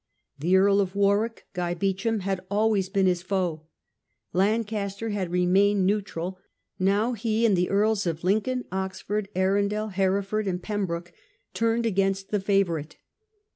The Earl of Warwick, Guy Beauchamp, had always been his foe. Lancaster had re mained neutral; now he and the Earls of Lincoln, Oxford, Arundel, Hereford, and Pembroke turned against the favourite.